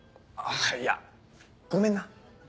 いやごめんな。